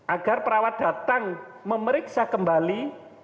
agar perawat datang memeriksa kembali